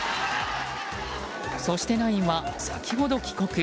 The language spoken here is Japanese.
そしてナインは先ほど帰国。